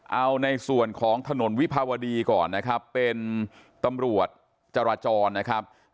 เอาในส่วนของถนนวิภาวดีก่อนนะครับเป็นตำรวจจราจรนะครับ